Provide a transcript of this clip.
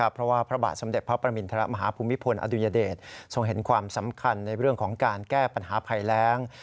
เพราะว่าพระบาทสมเด็จพระประมินทรมาฮภูมิพลอดุญเดชทรงเห็นความสำคัญในเรื่องของการแก้ปัญหาภัยแรง